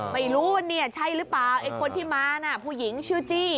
ไม่รู้ว่าเนี่ยใช่หรือเปล่าไอ้คนที่มาน่ะผู้หญิงชื่อจี้